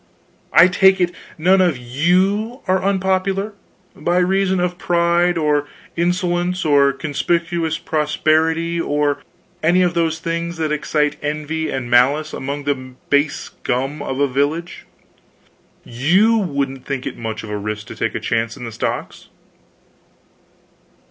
"I take it none of you are unpopular by reason of pride or insolence, or conspicuous prosperity, or any of those things that excite envy and malice among the base scum of a village? You wouldn't think it much of a risk to take a chance in the stocks?"